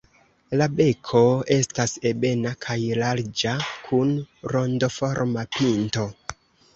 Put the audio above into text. La beko estas ebena kaj larĝa, kun rondoforma pinto.